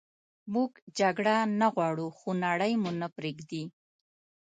موږ جګړه نه غواړو خو نړئ مو نه پریږدي